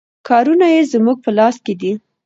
کارونه یې زموږ په لاس کې دي.